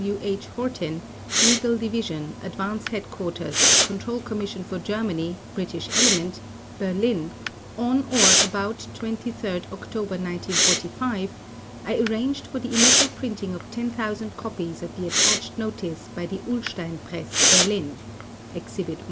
W. H. Hortin, Legal Division, Advance Headquarters, Control Commission for Germany (British Element), Berlin, on or about 23 October 1945, I arranged for the initial printing of 10,000 copies of the attached notice by the Ullstein Press, Berlin (Exhibit "I").